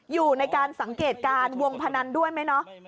อยู่ในการสังเกตการณ์วงพนันด้วยไหมเนาะ